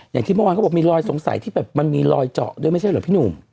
อย่างที่เมื่อวานเขาบอกมีรอยสงสัยที่แบบมันมีรอยเจาะด้วยไม่ใช่เหรอพี่หนุ่ม